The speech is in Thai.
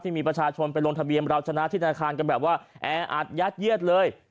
ที่มีประชาชนไปลงทะเบียนเราจะนาฏิฺณาคารกันแบบว่าแอ้อาดแย็ดล์เลย